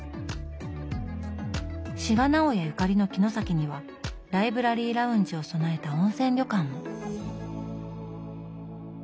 志賀直哉ゆかりの城崎にはライブラリーラウンジを備えた温泉旅館も。